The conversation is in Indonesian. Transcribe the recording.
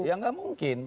ya gak mungkin